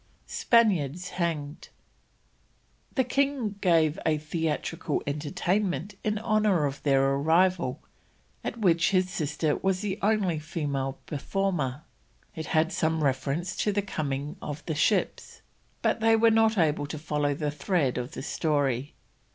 SPANIARDS HANGED. The king gave a theatrical entertainment in honour of their arrival, at which his sister was the only female performer. It had some reference to the coming of the ships, but they were not able to follow the thread of the story.